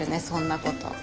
そんなこと。